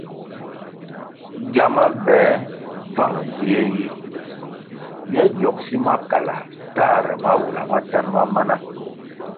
Gyama be bvan zie yi, ñe gyogsi makala tahare mawula matanʼ ma mana.